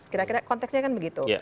kira kira konteksnya kan begitu